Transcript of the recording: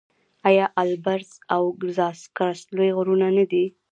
آیا البرز او زاگرس لوی غرونه نه دي؟